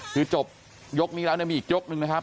คือจบยกนี้แล้วมีอีกยกหนึ่งนะครับ